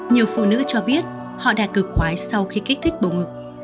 nhiều phụ nữ cho biết họ đạt cực quái sau khi kích thích bầu ngực